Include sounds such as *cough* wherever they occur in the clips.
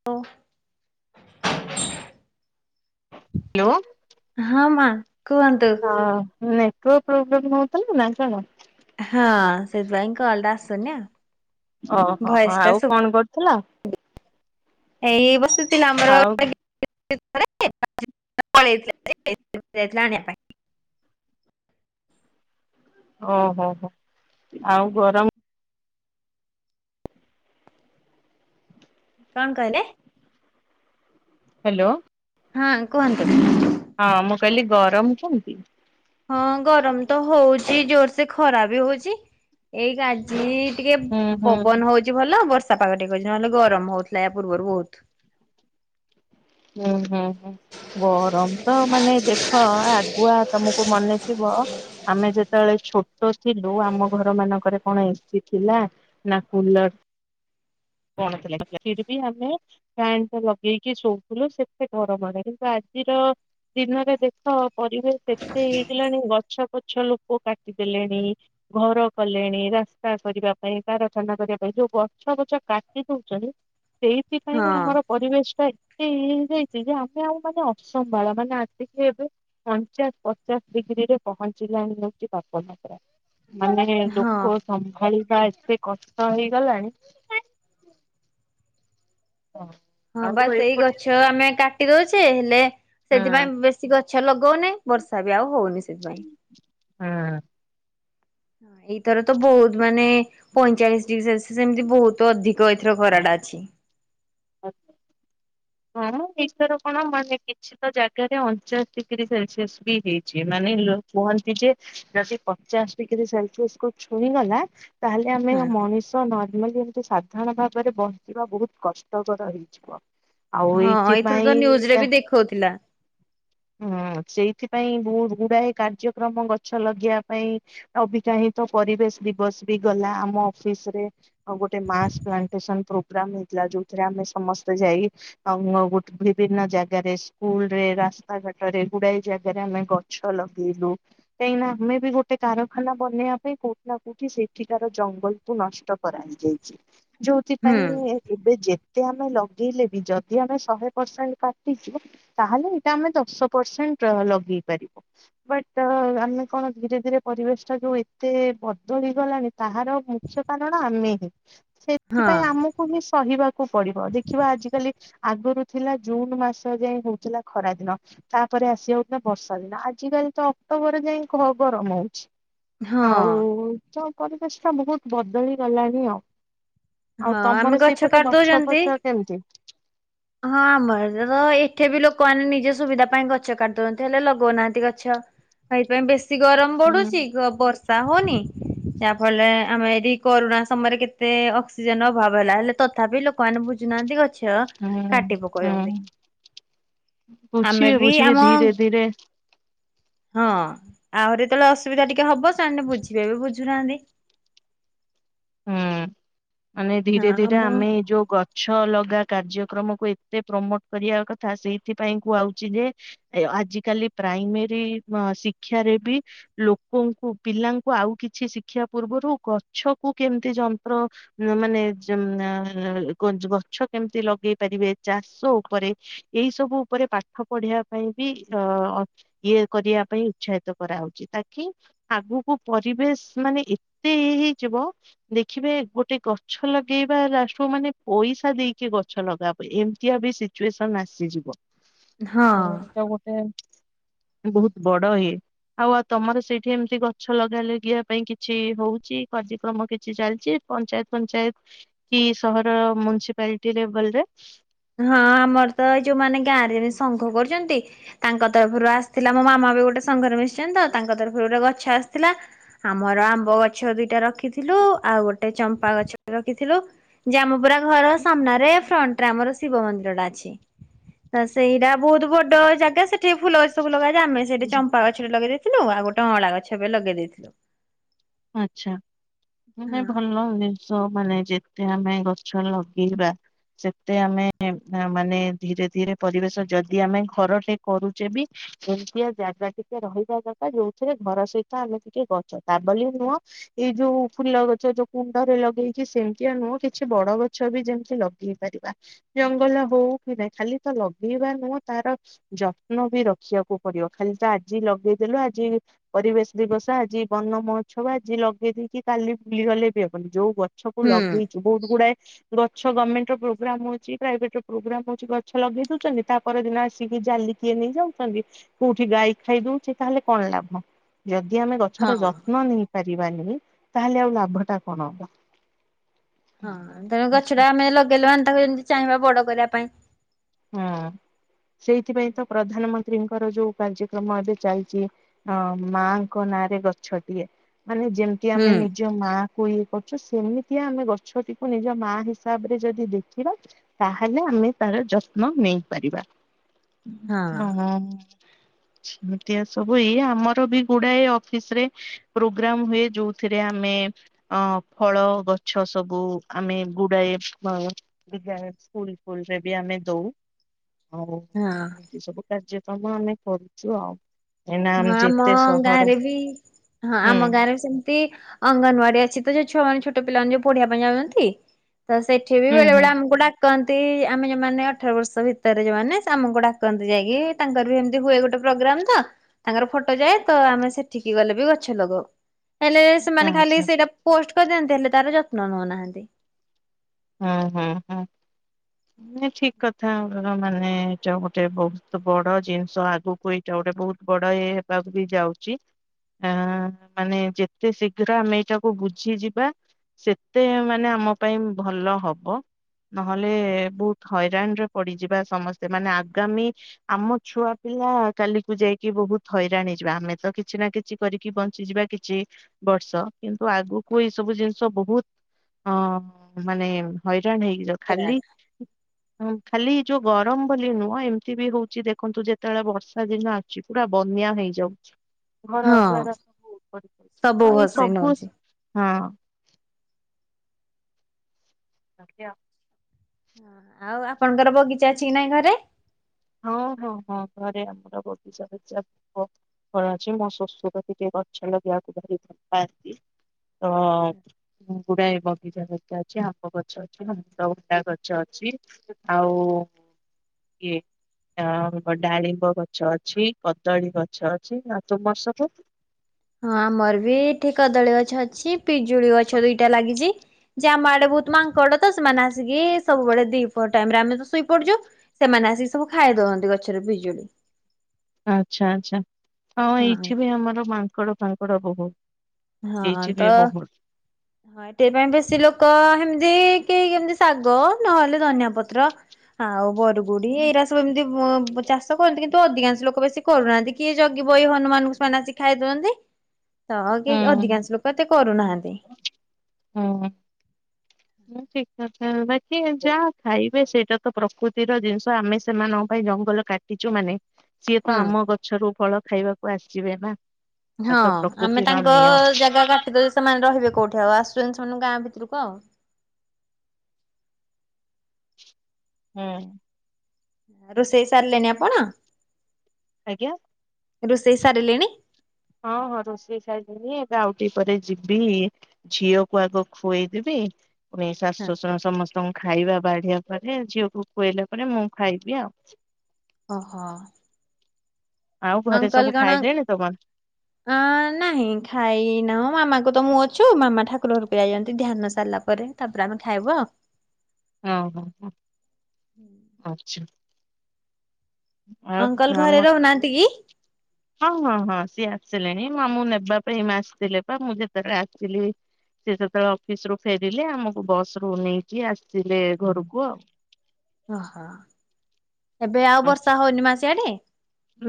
*unintelligible* Hello. ହଁ ମା କୁହନ୍ତୁ। ହ ନେଟୱାର୍ ପ୍ରୋବ୍ଲେମ୍ ହୋଉଥୁଲା ନା କଣ। ହଁ ସେଥିପାଇଁ କଲ ଟା ଆସୁନି ଆଉ। ଓହୋ ହଁ ଭଏସ୍ ଟା ଆଉ ଶୁ କଣ କରୁଥୁଲା। ଏଇ ବସିୁଥିଲି ଆମର *unintelligible* *unintelligible* ଆଣିବା ପାଇଁ ଓହୋ ହୋ, ଆଉ ଗରମ କଣ କହିଲେ? ହ୍ୟାଲୋ। ହଁ କୁହନ୍ତୁ। ହଁ ମୁଁ କହିଲି ଗରମ କେମତି? ହଁ ଗରମ ତ ହଉଚି ଜୋର ସେ ଖରା ବି ହଉଛି। ଏଇ ଗାଜି ଟିକେ ହୁଁ ହୁଁ ପବନ ହଉ ଚି ଭଲ ବର୍ଷା ପାାଗ ଟିକେ କରିଛି, ନହଲେ ଗରମ ହଉଥିଲା ୟା ପୂର୍ବରୁ ବହୁତ। ହୁଁ ହୁଁ ହୁଁ। ଗରମ ତ ମାନେ ଦେଖ ଆଗୁଆ ତମକୁ ମନେଥିବ ଆମେ ଯେତେବେଳେ ଛୋଟ ଥିଲୁ ଆମ ଘର ମାନଙ୍କରେ କଣ ଏ ସି ଥିଲା? ନା କୁଲର କଣଥିଲା ଫ ବି ଆମେ ଫ୍ୟାନ ଟା ଲଗେଇକି ଶୋଉ। ଲ ସେତେ ଗରମ ରେ କିନ୍ତୁ ଆଜିର ଦିନରେ ଦେଖ ପରିବେଶ ସେତେ ହେଇଗଲାଣି ଗଛ ପଛ ଲୋକ କାଟିଦେଲେଣି। ଘର କଲେଣି ରାସ୍ତା କରିବା ପାଇଁ କାରଖାନା କରିବା ପାଇଁ, ଯୋଉ ଗଛ ପଛ କାଟି ଦଉଛନ୍ତି ସେଇଥିପାଇଁ ହଁ ଆମର ପରିବେଶ ଟା ଏତେ ଇଏ ହେଇ ଯାଇଛି ଯେ ଆମେ ଆଉ ମାନେ ଅସମ୍ବାଳ ମାନେ ଆସିକି ଏବେ ପଞ୍ଚାଶ ପଚାଶ ଡିଗ୍ରୀରେ ପହଞ୍ଚିଲାଣି ହଉଛି ତାପମାତ୍ରା। ମାନେ ହଁ ଲୋକ ସମ୍ଭାଳିବା ଏତେ କଷ୍ଟ ହେଇଗଲାଣି। ହଁ। ହଁ ବା ଆଉ ସେଇ ଏପଟେ ଗଛ ଆମେ କାଟି ଦଉଛେ, ହେଲେ ହୁଁ ସେଥିପାଇଁ ବେଶ୍ କି ଗଛ ଲଗଉନେ, ବର୍ଷା ବି ଆଉ ହଉନି ସେଥିପାଇଁ। ହଁ। ହଁ ଏଇଥର ତ ବହୁତ ମାନେ ପଇଁଚାଳିଶ ଡିଗ୍ରୀ ସେଲସିସ୍ ଏମିତି ବହୁତ ଅଧିକ ଏଥର ଖରାଟା ଅଛି। ହଁ ଘର ଭିତର କଣ ମାନେ କିଛି କିଛିଟା ଜାଗାରେ ଅଣଚାଶ ଡିଗ୍ରୀ ସେଲସିୟସ ବି ହେଇଛି, ମାନେ କୁହନ୍ତି ଯେ ଯଦି ପଚାଶ ଡିଗ୍ରୀ ସେଲସିଅସ କୁ ଛୁଇଁଗଲା ତାହେଲେ ଆମେ ହଁ ମଣିଷ ନର୍ମାଲି ଏମିତି ସାଧାରଣ ଭାବରେ ବଞ୍ଚିବା ବହୁତ କଷ୍ଟ ଷ୍ଟକର ହେଇଯିବ। ହଁ ଏଥର ତ ନ୍ୟୁଜ ରେ ଏଇଥିପାଇଁ ବି ଦେଖାଉଥିଲା। ହୁଁ ସେଇଥିପାଇଁ ବହତ ଗୁଡାଏ କାର୍ଯ୍ୟକ୍ରମ ଗଛ ଲଗେଇବା ପାଇଁ ଅବିକା ହିଁ ତ ପରିବେଶ ଦିବସ ବି ଗଲା ଆମ ଅଫିସ ରେ। ଆଉ ଗୋଟେ ମାସ ପ୍ଲାଣ୍ଟେସନ ପ୍ରୋଗ୍ରାମ ହେଇଥିଲା, ଯୋଉଥିରେ ଆମେ ସମସ୍ତେ ଯାଇ ଆ ଗୋ ବିଭିନ୍ନ ଜାଗାରେ ସ୍କୁଲରେ ରାସ୍ ସ୍ତା ଘାଟରେ ଗୁଡାଏ ଜାଗାରେ ଆମେ ଗଛ ଲଗେଇଲୁ। କାହିଁକି ନା ଆମେ ବି ଗୋଟେ କାରଖାନା ବନେଇବା ପାଇଁ କୋଉଠି ନା କୋଉଠି ସେଠିକାର ଜଙ୍ଗଲ କୁ ନଷ୍ଟ କରା ହେଇଯାଇଛି ହୁଁ ଯୋଉଥିପାଇଁ ଏବେ ଯେତେ ଆମେ ଲଗେଇଲେ ବି, ଯଦି ଆମେ ଶହେ ପରସେଣ୍ଟ କାଟିଛୁ ତାହେଲେ ଆମେ ଦଶ ପରସେଣ୍ଟ ଲଗେଇ ପାରିବ। ବଟ୍ ଆମେ କଣ ଧୀରେ ଧୀରେ ପରିବେଶ ଟା ଯୋଉ ଏତେ ବଦଳିଗଲାଣି ତାହାର ମୁଖ୍ୟ କାରଣ ଆମେ ହି। ହଁ ସେଥିପାଇଁ ଆମକୁ ହିଁ ସହିବାକୁ ପଡିବ ଦେଖିବା ଆଜିିକାଲି ଆଗରୁ ଥିଲା ଜୁନ ମାସ ଯାଏ ହଉଥିଲା ଖରାଦିନ ତାପରେ ଆସିିଯାଉ ନା ବର୍ଷା ଦିନ ଆଜିିକାଲି ତ ଅକ୍ଟୋବରରେ ଯାଇ ଗରମ ହଉଛି। ହଁ। ଆଉ ତ ପରିବେଶ ଟା ବହୁତ ବଦଳି ଗଲାଣିି ଆଉ। ହଁ ଆଉ ଆମେ ତମର ଗଛ ସେଇପଟେ କାଟି ଗଛ ଦଉଛନ୍ତି ଫଛ କେମିତି? ହଁ ଆମର ତ ଏଠି ବି ଲୋକମାନେ ନିଜ ସୁବିଧା ପାଇଁ ଗଛ କାଟିି ଦଉଛନ୍ତି ହେଲେ ଲଗଉନାହାନ୍ତି ଗଛ। ହେଇଥି ପାଇଁ ବେଶୀ ଗରମ ହୁଁ ବଢୁଛି ବର୍ଷା ହଉନି ଯାହାଫଳରେ ଆମେ ଏଇଟି କରୁଣା ସମୟରେ କେତେ ଅକ୍ସିଜେନ ଅଭାବ ହେଲା ହେଲେ ତଥାପି ଲୋ କୁଣ ବୁଝୁନାହାନ୍ତି ଗଛ ହୁଁ କାଟି ପକଉଛନ୍ତି ହୁଁ ଆମେ ବୁଝିବେ ବି ବୁଝିବେ ଆମ ଧୀରେ ଧୀରେ ହଁ ଆହୁରି ଯେତେବେଳେ ଅସୁବିଧା ଟିକେ ହବ ସେମାନେ ବୁଝିବେ ଏବେ ବୁଝୁନାହାଁନ୍ତି। ହୁଁ ମାନେ ହଁ ଧୀରେ ଧୀରେ ଆମ ଆମେ ଏଇ ଯୋଉଗ ଛ ଲଗା କାର୍ଯ୍ୟକ୍ରମକୁ ଏତେ ପ୍ରମୋଟ କରିବା କଥା ସେଇଥିପାଇଁ କୁହାଉଛି ଯେ ଆଜିକାଲି ପ୍ରାଇମେରୀ ଶିକ୍ଷାରେ ବି ଲୋକଙ୍କୁ ପିଲାଙ୍କୁ ଆଉ କିଛି ଶିଖିବା ପୂର୍ବରୁ ଗଛକୁ କେମିତି ଯନ୍ତ୍ର ମାନେ ଗଛ କେମିତି ଲଗେଇ ପାରିବେ ଚାଷ ଉପରେ ଏଇ ସବୁ ଉପରେ ପାଠ ପଢିବା ପାଇଁ ବି ଅ ଇଏ କରିବା ପାଇଁ ଉତ୍ସାହିତ କରାହଉଛି ତାକି ଆଗକୁ ପରିବେଶ ମାନେ ଏତେ ଇଏ ହେଇଯିବ ଦେଖିବେ ଗୋଟେ ଗଛ ଲଗେଇବା ମାନେ ପଇସା ଦେଇକି ଗଛ ଲଗାବ ଏମିତିଆ ବି ସି ଚୁଏସନ ଆସିଯିବ ହଁ ଏଇଟା ଗୋଟେ ବହୁତ ବଡ ଇଏ। ଆଉ ଆଉ ତମର ସେଇଠି ଏମିତି ଗଛ ଲଗା ଲାଗିବା ପାଇଁ କିଛି ହଉଛି। କାର୍ଯ୍ୟକ୍ରମ କିଛି ଚାଲିଛି ପଞ୍ଚାୟତ ଫଞ୍ଚାୟତ କି ସହର ମୁନିସିପାଲିଟି ରେ ବଲରେ ହଁ ଆମର ତ ଏଇ ଯଉମାନେ ଗାଁରେ ବି ସଂଘ କରିଛନ୍ତି ତାଙ୍କ ତରଫରୁ ଆସିଥିଲା ମୋ ମାମା ବି ଗୋଟେ ସଂଘରେ ମିଶିଛନ୍ତି ତ ତାଙ୍କ ତରଫରୁ ଗୋଟେ ଗଛ ଆସିଥିଲା ଆମର ଆମ୍ବ ଗଛ ଦିଇଟା ରଖିଥିଲୁ ଆଉ ଗୋଟେ ଚମ୍ପା ଗଛ ରଖିଥିଲୁ ଜାମୁ ପୁରା ଘର ସାମ୍ନାରେ ଫ୍ରଣ୍ଟ ରେ ଆମର ଶିବ ମନ୍ଦିର ଟା ଅଛି ତ ସେଇଟା ବହୁତ ବଡ ଜାଗା ସେଠି ଫୁଲ ଗଛ ସବୁ ଲଗାଯାଏ ଆମେ ସେଠି ଚମ୍ପା ଗଛଟେ ଲଗେଇ ଦେଇଥିଲୁ ଆଉ ଗୋଟ ଅଁଳା ଗଛ ଏବେ ଲଗେଇ ଦେଇଥିଲୁ। ଆଚ୍ଛା ମାନେ ହଁ ଭଲ ଯେ। ସ ମାନେ ଯେତେ ଆମେ ଗଛ ଲଗେଇବା ସେତେ ଆମେ ମାନେ ଧୀରେ ଧୀରେ ପରିବେଶ ଯଦି ଆମେ ଘରଟେ କରୁଛେ ବି ଏମତିଆ ଜାଗା ଟିକେ ରହିବା ଦରକାର ଯୋଉଥିରେ ଘର ସହିତ ଆମେ ଟିକେ ଗଛ ତା ବୋଲି ନୁହଁ ଏଇ ଯୋଉ ଫୁଲ ଗଛ ଯୋଉ କୁଣ୍ଡରେ ଲଗେଇକି ସେମତିଆଉ ନୁହଁ କିଛି ବଡ ଗଛ ବି ଯେମିତି ଲଗ ଲଗେଇପାରିବା ଜଙ୍ଗଲ ହଉ କି ନାହିଁ ଖାଲି ତ ଲଗେଇବା ନୁହଁ ତାର ଯତ୍ନ ବି ରଖିବାକୁ ପଡିବ ଖାଲି ତ ଆଜି ଲଗେଇଦେଲୁ ଆଜି ପରିବେଶ ଦିବସ ଆଜି ବନ ଗଛ ବା ଆଜି ଲଗେଇ ଦେଇକି କାଲି ଭୁଲିଗଲେ ବି ହବନି ଯୋଉ ଗଛକୁ ହୁଁ ଲଗେଇଚୁ ବହୁତ ଗୁଡାଏ ଗଛ ଗଭର୍ଣ୍ଣମେଣ୍ଟ ର ପ୍ରୋଗ୍ରାମ ହଉଛି ପ୍ରାଇଭେଟ ର ପ୍ରୋଗ୍ରାମ ହଉଛି ଗଛ ଲଗେଇ ଦଉଛନ୍ତି ତା ପରଦିନ ଆସିକି ଜାଲିକିଏ ନେଇଯାଉଛନ୍ତି କୋଉଠି ଗାଈ ଖାଇ ଦଉଛି ତାହେଲେ କଣ ଲାଭ? ଯଦି ଆମେ ଗଛର ହଁ। ଯତ୍ନ ନେଇ ପାରିବାନି ତାହେଲେ ଆଉ ଲାଭ ଟା କଣ ହବ। ହଁ ତେଣୁ ଗଛଟା ଆମେ ଲଗେଇଲା ତାକୁ ଯେମିତି ଚାହିଁବା ବଡ କରିବା ପାଇଁ। ହଁ। ସେଇଥିପାଇଁ ତ ପ୍ରଧାନମନ୍ତ୍ରୀଙ୍କର ଯୋଉ କାର୍ଯ୍ୟକ୍ରମ ଏବେ ଚାଲିଛି। ଅ ମାଙ୍କ ନାଁରେ ଗଛଟିଏ ମାନେ ଯେମିତି ହୁଁ। ଆମେ ନି ନିଜ ମା କୁ ଇଏ କରୁଛୁ ସେମିତିଆ ଆମେ ଗଛଟିକୁ ନିଜ ମା ହିସାବରେ ଯଦି ଦେଖିବା ତାହେଲେ ଆମେ ତାର ଯତ୍ନ ନେଇପାରିବା। ହଁ ସେମିତିଆ ସବୁ ଏଇ ଆମର ବି ଗୁଡାଏ ଅଫିସ୍‌ ରେ ପ୍ରୋଗ୍ରାମ୍ ହୁଏ ଯୋଉଥିରେ ଆମେ ଅ ଫଳ ଗଛ ସବୁ ଆମେ ଗୁଡାଏ ହଁ ବିଦ୍ୟାଳୟ ସ୍କୁଲ ଫୁଲ ରେ ବି ଆମେ ଦୋଉ। ଆଉ ହଁ। ଏ ସବୁ କାର୍ଯ୍ୟକ୍ରମ ଆମେ କରୁଚୁ ଆଉ। ଏଇନା ଆମେ ହଁ ଆମ ଯେତେ ସହର ଗାଁରେ ବି ହଁ ହୁଁ ଆମ ଗାଁରେ ସେମ୍‌ତି ଅଙ୍ଗନୱାଡି ଅଛି ତ ଯୋଉ ଛୁଆମାନେ ଛୋଟ ପିଲାମାନେ ଯୋଉ ପଢିବା ପାଇଁ ଯାଉଛନ୍ତି। ତ ସେଠି ବି ହୁଁ ହୁଁ ବେଳେବେଳେ ଆମକୁ ଡା କହନ୍ତି ଆମେ ଯୋଉମାନେ ଅଠର ବର୍ଷ ଭିତରେ ଯୋଉମାନେ ଆମକୁ ଡାକନ୍ତି ଯାଇକି। ତାଙ୍କର ବି ଏମିତି ହୁଏ ଗୋଟେ ପ୍ରୋଗ୍ରାମ୍ ତ? ତାଙ୍କର ଫଟୋ ଯାଏ। ତ ଆମେ ସେଠିକି ଗଲେ ବି ଗଛ ଲଗଉ। ହେଲେ ସେମାନେ ଖାଲି ଆଚ୍ଛା ସେଇଟା ପୋଷ୍ଟ କରି ଦିଅନ୍ତି ହେଲେ ତାର ଯତ୍ନ ନେଉନାହାନ୍ତି। ହୁଁ ହୁଁ ହୁଁ। ମାନେ ଠିକ୍‌ କଥା ମାନେ ଏଇଟା ଗୋଟେ ବହୁତ ବଡ ଜିନିଷ ଆଗକୁ ଏଇ ଏଟା ଗୋଟେ ବହୁତ ବଡ ଇଏ ହେବାକୁ ବି ଯାଉଛି। ଆ ମାନେ ଯେତେ ଶୀଘ୍ର ଆମେ ଏଇଟାକୁ ବୁଝିଯିବା ସେତେ ମାନେ ଆମ ପାଇଁ ଭଲ ହବ। ନହେଲେ ବହୁତ ହଇରାଣରେ ପଡିଯିବା ସମସ୍ତେ। ମାନେ ଆଗାମୀ ଆମ ଛୁଆ ପିଲା କାଲି କୁ ଯାଇକି ବହୁତ ହଇରାଣ ହେଇଯିବା ଆମେ ତ କିଛି ନା କି କିଚି କରିକି ବଞ୍ଚିଯିବା କିଚି ବର୍ଷ କିନ୍ତୁ ଆଗକୁ ଏଇ ସବୁ ଜିନିଷ ବହୁତ୍ ଅଁ ମାନେ ହଇରାଣ ହେଇକି ଯାଉ ଖାଲି ହ *inaudible* ହଁ ଖାଲି ଯୋଉ ଗରମ ବୋଲି ନୁହଁ। ଏମିତି ବି ହୋଉଛି ଦେଖନ୍ତୁ ଯେତେବେଳେ ବର୍ଷା ଦିନ ଆ ଚି ପୁରା ବନ୍ୟା ହଁ ସବୁ ହେଇଯାଉଛି। ଭସେଇ ନଉଛି। ହଁ। ଆଜ୍ଞା। ହଁ ଆଉ ଆପଣଙ୍କର ବଗିଚା ଅଛି କି ନାଇଁ ଘରେ? ହଁ ହଁ ହଁ ଘରେ ଆମର ବବିଚା ଫାଗିଚା ଥିବ। କଣ ଅଛି ମୋ ଶସୁର ଟିକେ ଗଛ ଲାଗେଇବାକୁ ଭଲ ପାଆନ୍ତି। ତ ମୁ ଗୁଡାଏ ବଗିଚା ହରିକା ଅଛି। ଆମ୍ବ ଗଛ ଅଛି ଅମୃଭଣ୍ଡା ଗଛ ଅଛି। ଆଉ କିଏ? ଆ ଡାଳିମ୍ବ ଗଛ ଅଛି କଦଳୀ ଗଛ ଅଛି। ଆଉ ତୁମର ସବୁ? ହଁ ଆମର ବି ଏଠି କଦଳୀ ଗଛ ଅଛି ପିଜୁଳି ଗଛ ଦିଇଟା ଲାଗିଛି। ଯେ ଆମ ଆଡେ ବହୁତ ମାଙ୍କଡ ତ ସେମାନେ ଆସିକି ସବୁବେଳେ ଦି ପହର ଟାଇମ୍ ରେ ଆମେ ତ ଶୋଇ ପଡଛୁ। ସେମାନେ ଆସିକି ସବୁ ଖାଇ ଦଅନ୍ତି ଗଛରେ ପିଜୁଳି। ଆଚ୍ଛା ଆଚ୍ଛା ହଁ ଏଇଠି ବି ଆମର ମାଙ୍କଡ ଫାଙ୍କଡ ବହୁତ। ହଁ ଲିଚି ତ ବି ବହୁତ୍। ହଁ ଏଥି ପାଇଁ ବେଶୀ ଲୋକ ସେମିତି କେହି କେମିତି ଶାଗ ନହେଲେ ଧନିଆ ପତ୍ର। ଆଉ ବରଗୁଡି ଏଇରା ସବୁ ଏମିତି ବୋ ଚାଷ କରନ୍ତି କିନ୍ତୁ ଅଧିକାଂଶ ଲୋକ ବେଶୀ କରୁନାହାନ୍ତି। କିଏ ଜଗିବ ଏଇ ହନୁମାନେ ଙ୍କୁ ସେମାନେ ଆସିିକ ଖାଇଦଉ ଛନ୍ତି। ତ ଆଉ କେହି ହୁଁ ଅଧିକାଂଶ ଲୋକ ଏତେ କରୁନାହାନ୍ତି। ହଁ। ହ ଠିକ କଥା, ବାକି ଯାହା ଖାଇବେ ସେଇଟା ତ ପ୍ରକୃତିର ଜିନିଷ ଆମେ ସେମାନଙ୍କ ପାଇଁ ଜଙ୍ଗଲ କା ଟିଛୁ ମାନେ, ସିଏ ତ ହୁଁ ଆମ ଗଛରୁ ଫଳ ଖାଇବାକୁ ଆସିବେ ନା। ଏଟା ହଁ ତ ଆମେ ପ୍ରକୃତିର ତାଙ୍କ ନିୟମ ଜାଗା କା ଟିଲେ ସେମାନେ ରହିବେ କୋଉଠି ଆଉ ଆସୁଛନ୍ତି ସେମାନେ ଗାଁ ଭିତରକୁ ଆଉ। ହୁଁ। ରୋଷେଇ ସାରିଲେଣି ଆପଣ? ଆଜ୍ଞା। ରୋଷେଇ ସାରିଲେଣି? ହଁ ହଁ ରୋଷେଇ ସାଇଲିଣି ଏବେ ଆଉ ଟିକିଏ ପରେ ଯିବି ଝିଅକୁ ଆଗ ଖୁଆଇଦେବି। ପୁଣି ଶାଶୁ ଶ୍ୱଶୁର ସମସ୍ତଙ୍କୁ ଖାଇବା ବାଢିବା ପରେ। ଝିଅକୁ ଖୁଆଇଲା ପରେ ମୁଁ ଖାଇବି ଆଉ। ଓହୋ। ଆଉ ଘରେ ସବୁ ଅଙ୍କଲ କଣ ଖାଇଲେଣି ତମର ଅ ନାହିଁ ଖାଇନାହୁଁ, ମାମାଙ୍କୁ ତ ମୁଁ ଅଛୁ ମାମା ଠାକୁର ଘରକୁ ଯାଇଛନ୍ତି ଧ୍ୟାନ ସାରିଲା ପରେ। ତାପରେ ଆମେ ଖାଇବୁ ଆଉ। ହଁ ହଁ ହଁ ଆଛା। ଅଙ୍କଲ ଆମ ଘରେ ରହୁନାହାନ୍ତି କି? ହଁ ହଁ ହଁ ସିଏ ଆସିଲେଣି, ମୁଁ ଆମକୁ ନବା ପାଇଁ ଆସିଥିଲେ ବା ମୁଁ ଯେତେବେଳେ ଆସିଥିଲି ସେ ସେତେବେଳେ ଅଫିସ ରୁ ଫେରିଲେ, ଆମକୁ ବସ ରୁ ନେଇକି ଆସିଲେ ଘରକୁ ଆଉ। ଓହୋ ଏବେ ଆଉ ହଁ। ବର୍ଷା ହଉନି ମା ସିଆଡେ।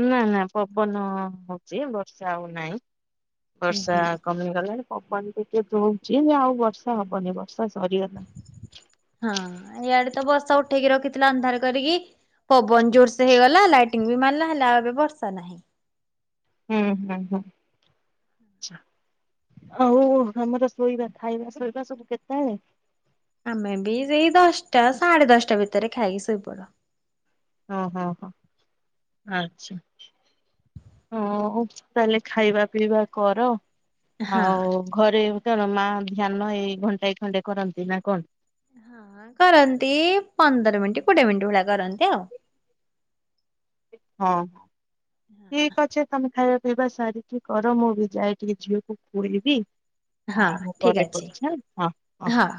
ନା ନା ପବନ ହଉଛି ବର୍ଷା ଆଉ ନାହିଁ। ଉଁ ବର୍ଷା ହୁଁ। କମିଗଲାଣି। ପବନି ଟିକେ ଦଉଛି, ଆଉ ବର୍ଷା ହବନି ବର୍ଷା ସରିଗଲା। ହଁ ଇଆଡେ ତ ବର୍ଷା ଉଠେଇକି ରଖିଥିଲା ଅନ୍ଧାର କରିକି, ପବନ ଜୋରସ ହେଇଗଲା ଲାଇଟ୍ ବି ମାରିଲା ହେଲା ଆଉ ଏବେ ବର୍ଷା ନାହିଁ। ହୁଁ ହୁଁ ହୁଁ। ଆଛା ଆଉ ଆମର ଶୋଇବା ଖାଇବା ଶୋଇବା ସବୁ କେତେବେଳେ? ଆମେ ବି ସେଇ ଦଶଟା ସାଢେ ଦଶଟା ଭିତରେ ଖାଇକି ଶୋଇପଡ଼ୁ ଓ ହୋ ହୋ ଆଚ୍ଛା। ହଉ ତାହେଲେ ଖାଇବା ପିଇବା କର ହଁ। ଆଉ ଘରେ ଏଇ ତମ ମା ଧ୍ୟାନ ଏଇ ଘଣ୍ଟା ଏ ଖଣ୍ଡେ କରନ୍ତି ନା କଣ। ହଁ କରନ୍ତି ପନ୍ଦର ମିନିଟ କୋଡିଏ ମିନିଟ୍ ଭଳିଆ କରନ୍ତି ଆଉ ହଁ ହଁ ଠିକ ଅଛେ ତମେ ଖାଇବା ପିଇବା ସାରିକି କର ମୁଁ ବି ଯାଇ ଟିକେ ଝିଅକୁ ଖୁଇବି ହଁ ମୁ ଠିକ ପରେ ଅଛି କରୁଛି ହାଁ ହଁ